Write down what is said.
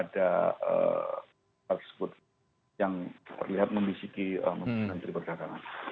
ada hal tersebut yang terlihat membisiki menteri perdagangan